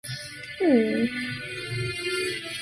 Es uno de los cuatro municipios que integran la Isla de São Luís.